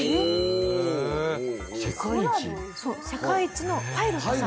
そう世界一のパイロットさん。